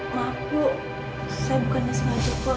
ma bu saya bukannya sengaja bos